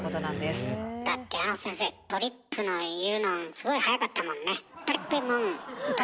だってあの先生「ＴＲＰ」の言うのんすごい速かったもんね。